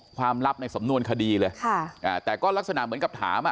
ความลับในสมนวนคดีเลยแต่ก็ลักษณะเหมือนกับถาม